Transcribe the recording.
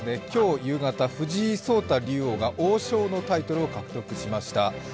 今日夕方、藤井聡太竜王が王将のタイトルを獲得しました。